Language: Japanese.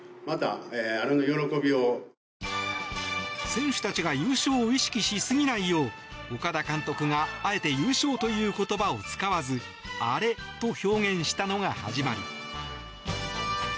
選手たちが優勝を意識しすぎないよう岡田監督があえて優勝という言葉を使わずアレと表現したのが始まり。